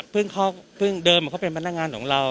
เพิ่งเดิมเหมือนกับเป็นพนักงานของเรา